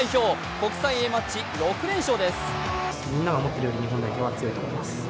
国際Ａマッチ６連勝です。